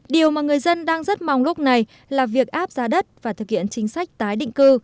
điều mà người dân đang rất mong lúc này là việc áp giá đất và thực hiện chính sách tái định cư